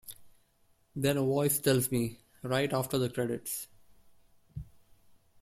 Then a voice tells me, 'Right after the credits.